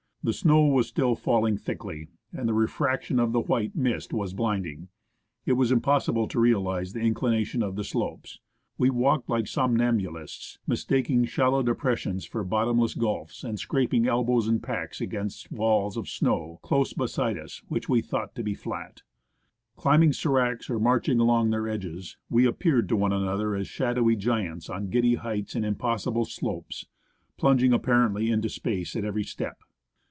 The snow was still falling thickly, and the refraction of the white mist was blinding. It was impossible to realize the inclina tion of the slopes. We walked like somnambulists, mistaking shallow depressions for bottomless gulfs, and scraping elbows and packs against walls of snow close beside us which we thought to be flat ! Climbing scracs or marching along their edges, we appeared to one another as shadowy giants on giddy heights and impossible slopes, plunging apparently into space at every step.